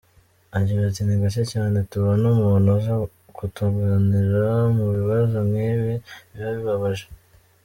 Agira ati“Ni gake cyane tubona umuntu uza kutwunganira mu bibazo nkibi biba bibabaje.